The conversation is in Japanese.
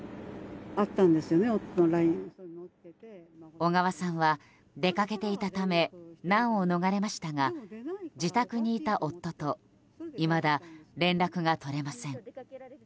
小川さんは、出かけていたため難を逃れましたが自宅にいた夫といまだ連絡が取れません。